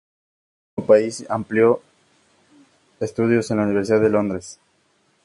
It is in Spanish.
En este último país amplió estudios en la Universidad de Londres.